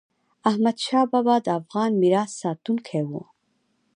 احمدشاه بابا د افغان میراث ساتونکی و.